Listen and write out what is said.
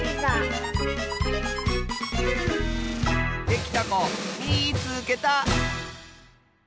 できたこみいつけた！